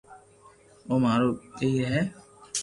او مارو ٻئير ھي